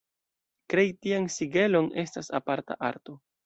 Krei tian sigelon estas aparta arto.